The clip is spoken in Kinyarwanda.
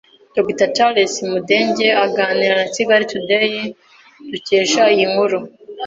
Dr Charles Mudenge aganira na Kigali Today dukesha iyi nkuru